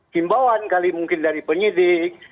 himbauan kali mungkin dari penyidik